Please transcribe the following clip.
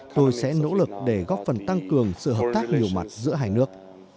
tôi sẽ nỗ lực để góp phần tăng cường sự hợp tác nhiều mặt giữa hai nước